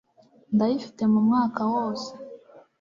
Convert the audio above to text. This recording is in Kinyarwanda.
Ndayifite mu mwaka wose